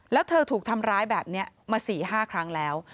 แล้วเธอถูกทำร้ายแบบนี้มา๔๕ครั้งแล้ว